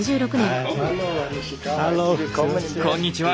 こんにちは。